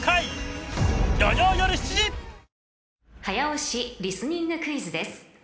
［早押しリスニングクイズです］